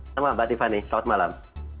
selamat malam mbak tiffany selamat malam